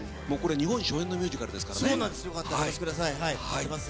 日本で初演のミュージカルですからね。